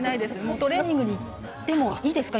トレーニングに行ってもいいですか？